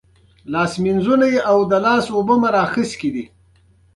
ته د “The Beast” نوم ورکړے شوے دے.